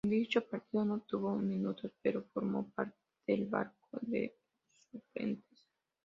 En dicho partido no tuvo minutos, pero formó parte del banco de suplentes.